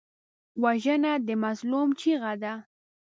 وژنه د مظلوم چیغه ده